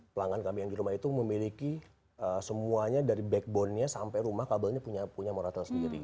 pelanggan kami yang di rumah itu memiliki semuanya dari backbone nya sampai rumah kabelnya punya moratori sendiri